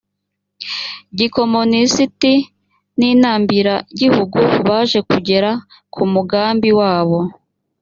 gikomunisiti n inambiragihugu baje kugera ku mugambi wabo